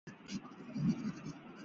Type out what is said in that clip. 屋苑前身为均益仓拥有的货仓。